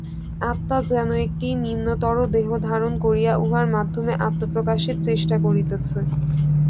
আত্মা যেন একটি নিম্নতর দেহ ধারণ করিয়া উহার মাধ্যমে আত্মপ্রকাশের চেষ্টা করিতেছে।